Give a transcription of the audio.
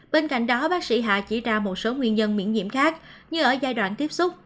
bên cạnh đó bác sĩ hạ chỉ ra một số nguyên nhân miễn nhiễm khác như ở giai đoạn tiếp xúc